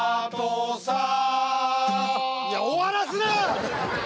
いや終わらすな！